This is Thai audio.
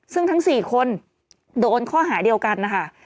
ซึ่งทั้ง๔คนโดนข้อหาเดียวกันนะคะ